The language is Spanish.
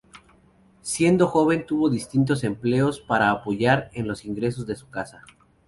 Siendo joven tuvo distintos empleos para apoyar en los ingresos de su casa.